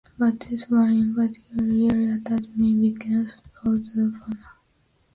But this one in particular really attracted me because of the filmmakers.